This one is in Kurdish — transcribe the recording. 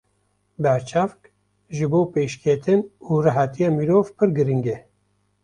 Berçavk ji bo pêşketin û rehetiya mirov pir girîng e.